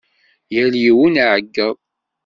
Yal yiwen iɛeggeḍ.